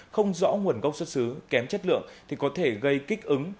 không rõ nguồn gốc xuất xứ kém chất lượng thì có thể gây kích ứng